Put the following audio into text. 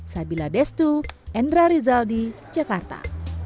sabila destu endra rizal di jakarta